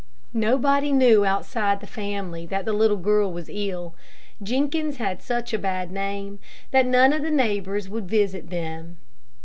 Nobody knew outside the family that the little girl was ill. Jenkins had such a bad name, that none of the neighbors would visit them.